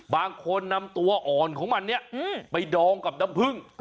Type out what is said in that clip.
บางคนนำตัวอ่อนของมันเนี่ยไปดองกับน้ำผึ้ง